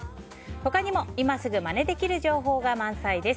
他にも今すぐまねできる情報が満載です。